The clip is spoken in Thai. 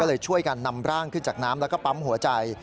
เลยช่วยกันนำร่างขึ้นจากน้ำแล้วก็ปั๊มหัวใจ